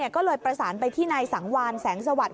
ก็เลยประสานไปที่นายสังวานแสงสวัสดิ